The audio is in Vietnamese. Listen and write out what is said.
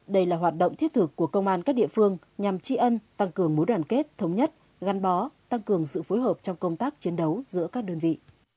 đây là hoạt động thiết thực của công an các địa phương nhằm tri ân tăng cường mối đoàn kết thống nhất gắn bó tăng cường sự phối hợp trong công tác chiến đấu giữa các đơn vị